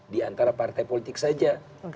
diantara partai politik saja